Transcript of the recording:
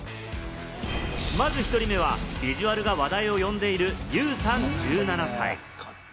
まず１人目は、ビジュアルが話題を呼んでいる、ユウさん・１７歳。